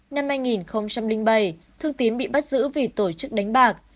năm hai nghìn bảy thương tín bị bắt giữ vì tổ chức đánh bạc